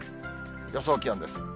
予想気温です。